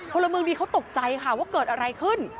พลเมืองดีเขาตกใจค่ะว่าเกิดอะไรขึ้น